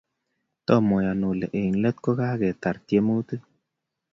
Tomayan ale eng' let kogagetar tyemutik.